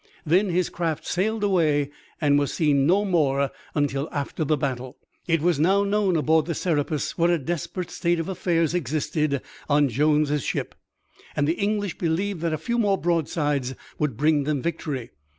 Then his craft sailed away and was seen no more until after the battle. It was now known aboard the Serapis what a desperate state of affairs existed on Jones' ship, and the English believed that a few more broadsides would bring them victory.